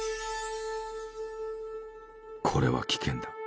「これは危険だ」。